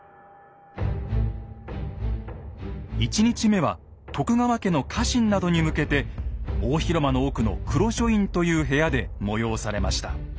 １日目は徳川家の家臣などに向けて大広間の奥の「黒書院」という部屋で催されました。